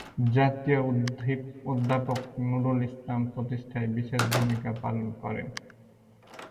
জাতীয় অধ্যাপক নুরুল ইসলাম প্রতিষ্ঠায় বিশেষ ভুমিকা রাখেন।